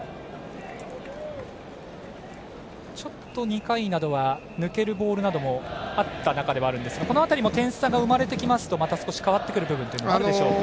ちょっと２回などは抜けるボールなどもあった中ではありますがこの辺りも点差が生まれてきますとまた少し変わってくる部分あるでしょうか。